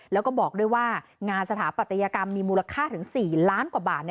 แล้วก็บอกด้วยว่างานสถาปัตยกรรมมีมูลค่าถึง๔ล้านกว่าบาท